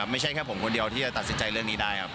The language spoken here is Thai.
ไม่ใช่แค่ผมคนเดียวที่จะตัดสินใจเรื่องนี้ได้ครับ